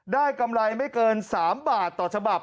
กำไรไม่เกิน๓บาทต่อฉบับ